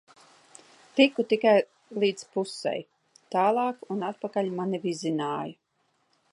Tiku tikai līdz pusei, tālāk un atpakaļ mani vizināja.